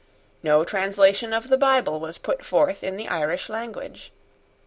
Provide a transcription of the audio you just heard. No translation of the Bible was put forth in the Irish language.